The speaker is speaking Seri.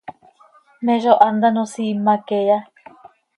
¿Me zó hant ano siima queeya?